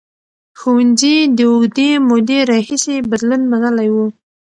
ښوونځي د اوږدې مودې راهیسې بدلون منلی و.